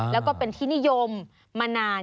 แล้วก็เป็นที่นิยมมานาน